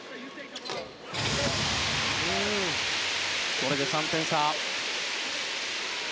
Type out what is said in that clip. これで３点差。